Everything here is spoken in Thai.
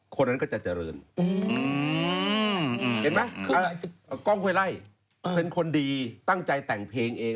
คนนั้นก็จะเจริญเห็นมั้ยก้องเวร่าเป็นคนดีตั้งใจแต่งเพลงเอง